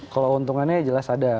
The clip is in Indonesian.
kalau keuntungannya jelas ada